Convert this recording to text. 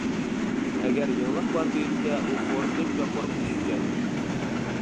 ئەگەر يېڭىلىق بار دېيىلسە ئۇ خورىتىش ۋە قورقۇتۇش ئىكەن!